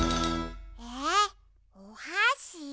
えおはし？